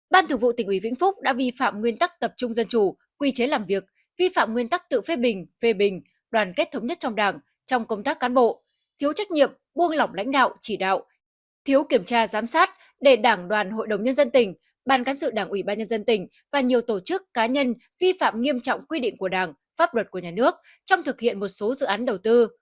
ban thường vụ tỉnh uy vĩnh phúc đã vi phạm nguyên tắc tập trung dân chủ quy chế làm việc vi phạm nguyên tắc tự phê bình phê bình đoàn kết thống nhất trong đảng trong công tác cán bộ thiếu trách nhiệm buông lỏng lãnh đạo chỉ đạo thiếu kiểm tra giám sát đề đảng đoàn hội đồng nhân dân tỉnh ban cán sự đảng uy ban nhân dân tỉnh và nhiều tổ chức cá nhân vi phạm nghiêm trọng quy định của đảng pháp luật của nhà nước trong thực hiện một số dự án đầu tư